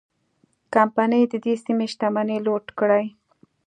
کمپنۍ د دې سیمې شتمنۍ لوټ کړې.